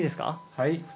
はい。